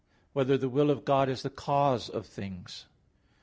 4] Whether the Will of God Is the Cause of Things?